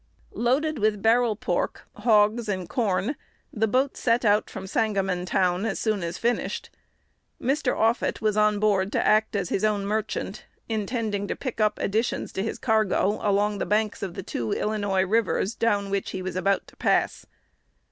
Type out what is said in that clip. Loaded with barrel pork, hogs, and corn, the boat set out from Sangamontown as soon as finished. Mr. Offutt was on board to act as his own merchant, intending to pick up additions to his cargo along the banks of the two Illinois rivers down which he was about to pass.